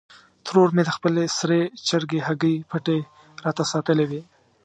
ترور مې د خپلې سرې چرګې هګۍ پټې راته ساتلې وې.